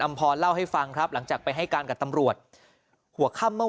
พรเล่าให้ฟังครับหลังจากไปให้การกับตำรวจหัวค่ำเมื่อ